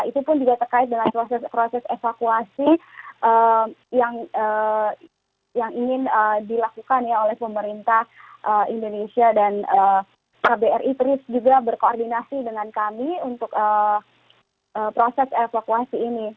itu pun juga terkait dengan proses proses evakuasi yang ingin dilakukan oleh pemerintah indonesia dan kbri terus juga berkoordinasi dengan kami untuk proses evakuasi ini